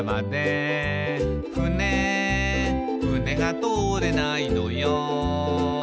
「ふねふねが通れないのよ」